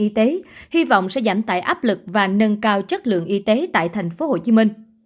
y tế hy vọng sẽ giảm tải áp lực và nâng cao chất lượng y tế tại tp hcm